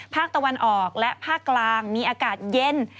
ภาคตะวันออกและภาคกลางมีอากาศเย็น